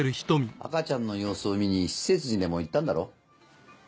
赤ちゃんの様子を見に施設にでも行ったんだろう。